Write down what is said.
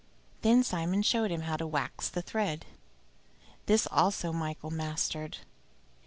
Then Simon showed him how to wax the thread. This also Michael mastered.